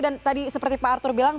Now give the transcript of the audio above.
dan tadi seperti pak arthur bilang